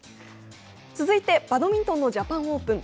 続いてバドミントンのジャパンオープン。